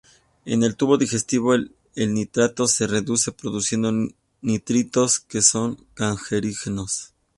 En el tubo digestivo el nitrato se reduce produciendo nitritos, que son cancerígenos.